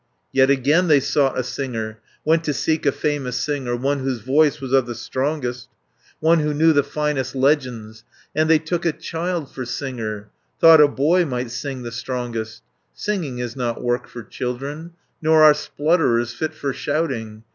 Yet again they sought a singer, Went to seek a famous singer, One whose voice was of the strongest, One who knew the finest legends, 540 And they took a child for singer, Thought a boy might sing the strongest. Singing is not work for children. Nor are splutterers fit for shouting.